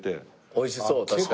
美味しそう確かに。